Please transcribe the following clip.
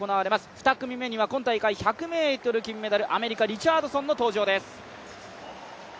２組目には今大会１００ｍ銀メダル、アメリカリチャードソンの登場です。